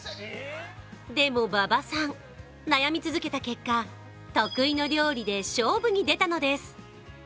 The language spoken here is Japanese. でも馬場さん、悩み続けた結果、得意の料理で勝負に出たのです。